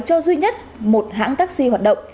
cho duy nhất một hãng taxi hoạt động